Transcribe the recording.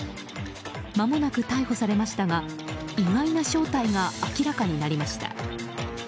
まもなく逮捕されましたが意外な正体が明らかになりました。